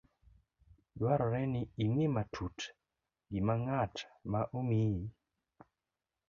Dwarore ni ing'e matut gima ng'at ma omiyi